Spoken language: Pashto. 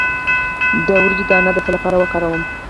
د وریجو دانه د څه لپاره وکاروم؟